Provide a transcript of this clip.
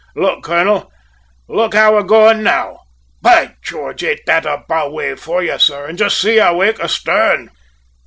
Look, colonel, look how we're going now. By George, ain't that a bow wave for you, sir, and just see our wake astern!"